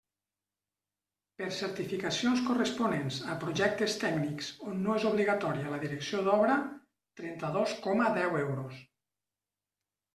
Per certificacions corresponents a projectes tècnics on no és obligatòria la direcció d'obra: trenta-dos coma deu euros.